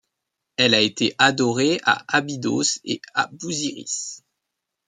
Elle a été adorée à Abydos et à Bousiris.